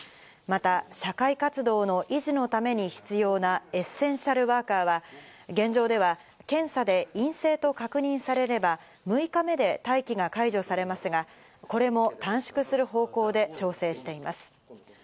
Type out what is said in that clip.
また社会活動の維持のために必要なエッセンシャルワーカーは現状では検査で陰性と確認されれば６日目で待機が解除されますが、これも短縮する方向で調整しています。